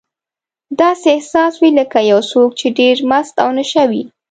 داسې احساس وي لکه یو څوک چې ډېر مست او نشه وي.